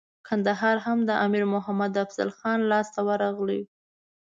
کندهار هم د امیر محمد افضل خان لاسته ورغی.